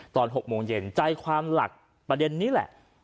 ตอน๖โมงเย็นใจความหลักประเด็นนี้แหละ